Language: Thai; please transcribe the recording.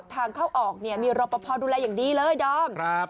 ทางเข้าออกเนี่ยมีรอปภดูแลอย่างดีเลยดอม